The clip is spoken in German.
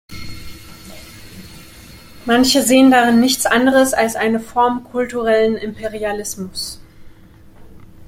Manche sehen darin nichts anderes als eine Form kulturellen Imperialismus.